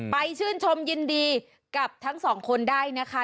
ชื่นชมยินดีกับทั้งสองคนได้นะคะ